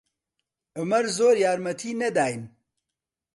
عومەر زۆر یارمەتی نەداین.